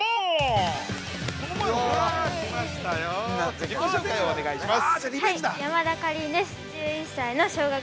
◆自己紹介をお願いします。